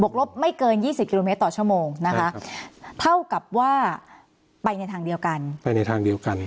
กลบไม่เกินยี่สิบกิโลเมตรต่อชั่วโมงนะคะเท่ากับว่าไปในทางเดียวกันไปในทางเดียวกัน